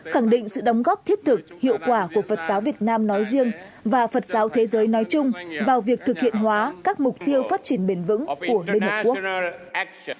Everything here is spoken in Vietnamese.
khẳng định sự đóng góp thiết thực hiệu quả của phật giáo việt nam nói riêng và phật giáo thế giới nói chung vào việc thực hiện hóa các mục tiêu phát triển bền vững của liên hợp quốc